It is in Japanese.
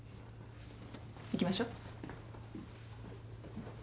行きましょう。